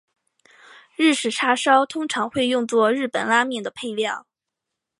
日式叉烧通常会用作日本拉面的配料。